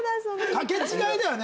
掛け違いだよね。